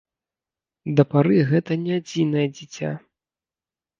Для пары гэты не адзінае дзіця.